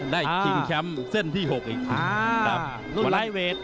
ได้คิงแคมป์เส้นที่หกอีกครับอ่ารุ่นไลท์เวท